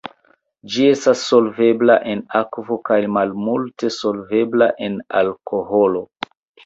Ĝi estas solvebla en akvo kaj malmulte solvebla en alkoholo.